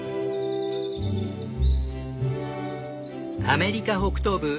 アメリカ北東部